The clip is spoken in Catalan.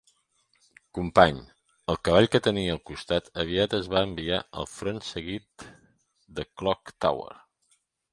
Company, el cavall que tenia al costat aviat es va enviar al front seguit de Clock Tower.